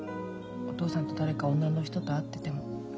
お父さんと誰か女の人と会ってても。